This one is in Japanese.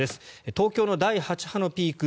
東京の第８波のピーク